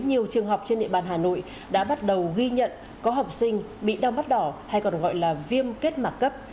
nhiều trường học trên địa bàn hà nội đã bắt đầu ghi nhận có học sinh bị đau mắt đỏ hay còn gọi là viêm kết mạc cấp